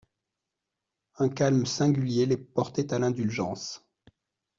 Un calme singulier les portait à l'indulgence.